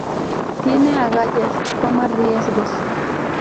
Tiene agallas, toma riesgos.